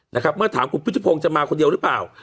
นะครับเมื่อถามคุณพุทธพงศ์จะมาคนเดียวหรือเปล่า